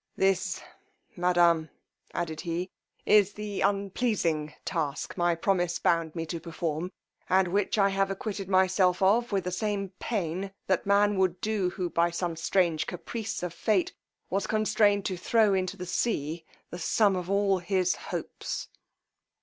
This, madame, added he, is the unpleasing task my promise bound me to perform, and which I have acquitted myself of with the same pain that man would do who, by some strange caprice of fate, was constrained to throw into the sea the sum of all his hopes.